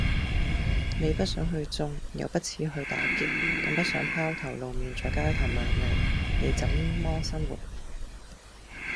你不想去種地；又不恥於去打劫；更不想拋頭露面在街頭賣藝。你怎麼生活？